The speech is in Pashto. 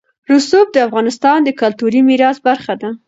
رسوب د افغانستان د کلتوري میراث برخه ده.